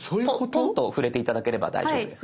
ポンと触れて頂ければ大丈夫です。